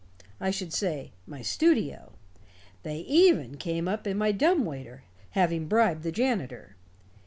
I should say, my studio. They even came up in my dumb waiter, having bribed the janitor.